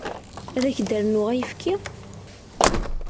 Ad ak-d-rnuɣ ayefki?